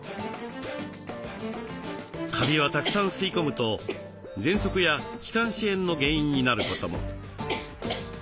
カビはたくさん吸い込むとぜんそくや気管支炎の原因になることも。